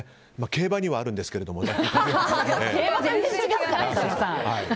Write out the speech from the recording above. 競馬にはあるんですけれどもね。